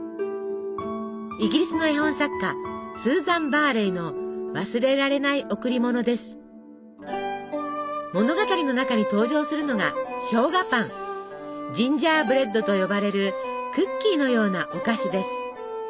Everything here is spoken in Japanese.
イギリスの絵本作家スーザン・バーレイの物語の中に登場するのがジンジャーブレッドと呼ばれるクッキーのようなお菓子です。